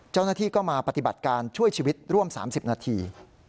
เจ้าหน้าที่ก็มาปฏิบัติการช่วยชีวิตร่วม๓๐นาที